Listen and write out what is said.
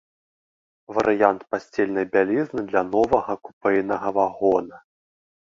Варыянт пасцельнай бялізны для новага купэйнага вагона.